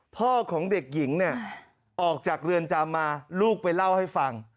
พ่อของเด็กหญิงเนี่ยออกจากเรือนจำมาลูกไปเล่าให้ฟัง